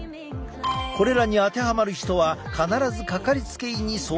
これらに当てはまる人は必ずかかりつけ医に相談してほしい。